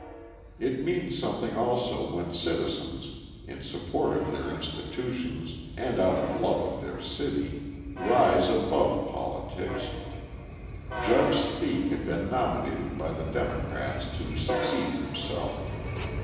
It means something also when citizens, in support of their institutions and out of love of their city, rise above politics. Judge Speake had been nominated by the Democrats to succeed himself.